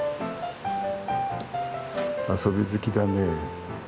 遊び好きだね。